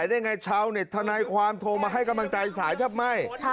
ด้วยไงเช้าเน็ตทันายความโทรมาให้กำลังใจสายทำไม